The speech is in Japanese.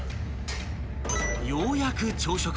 ［ようやく朝食］